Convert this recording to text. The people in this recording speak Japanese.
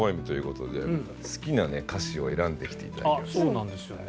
そうなんですよね。